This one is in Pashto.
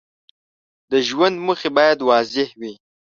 د ژوند موخې باید واضح وي.